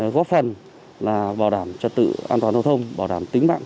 góp phần là bảo đảm trật tự an toàn giao thông bảo đảm tính mạng